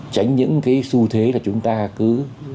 tránh những cái xu thế là chúng ta cứ